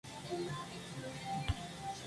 Nunca combatieron de forma directa.